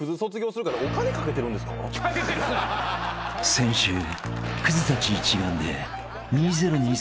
［先週クズたち一丸で］